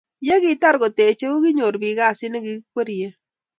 Yekitar ketechei, konyoru biik kasit nekikwerrie